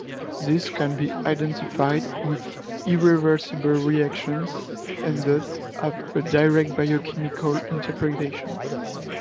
These can be identified with irreversible reactions, and thus have a direct biochemical interpretation.